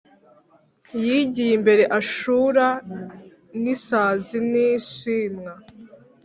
Yigiye imbere ahura n’ isazi n’ ishwima